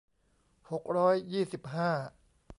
หกร้อยยี่สิบห้า